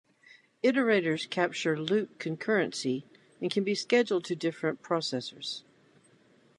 Iterators capture loop concurrency and can be scheduled to different processors.